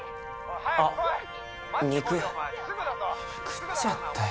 あッ肉食っちゃったよ